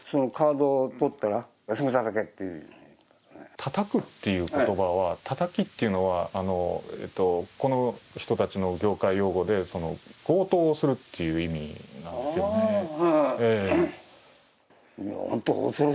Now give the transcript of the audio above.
叩くという言葉、叩きというのはこの人たちの業界用語で強盗をするという意味なんですか。